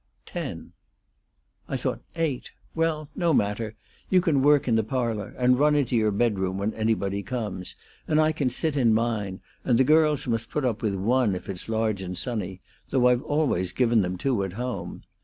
"Ten." "I thought eight. Well, no matter. You can work in the parlor, and run into your bedroom when anybody comes; and I can sit in mine, and the girls must put up with one, if it's large and sunny, though I've always given them two at home.